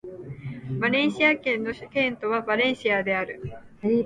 バレンシア県の県都はバレンシアである